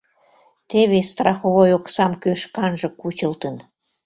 — Теве страховой оксам кӧ шканже кучылтын?